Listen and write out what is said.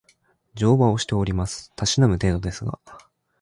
乗馬をしております。たしなむ程度ですが